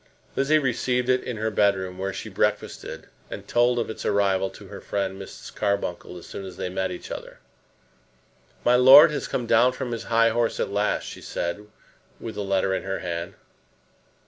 Lizzie received it in her bedroom, where she breakfasted, and told of its arrival to her friend Mrs. Carbuncle as soon as they met each other. "My lord has come down from his high horse at last," she said, with the letter in her hand.